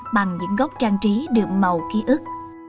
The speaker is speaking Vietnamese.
bằng những góc trang trí được màu ký ức